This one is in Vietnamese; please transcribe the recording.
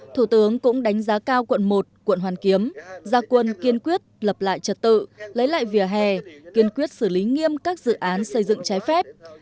thủ tướng cũng đánh giá cao quận một quận hoàn kiếm gia quân kiên quyết lập lại trật tự lấy lại vỉa hè